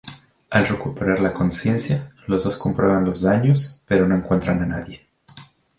Al recuperar la consciencia, los dos comprueban los daños, pero no encuentran a nadie.